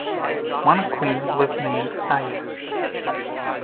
One queen was named Iah.